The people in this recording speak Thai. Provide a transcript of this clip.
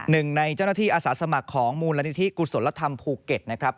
หนึ่งในเจ้าหน้าที่อาสาสมัครของมูลนิธิกุศลธรรมภูเก็ตนะครับ